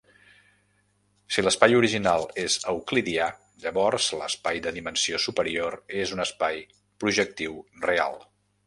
Si l'espai original és euclidià, llavors l'espai de dimensió superior és un espai projectiu real.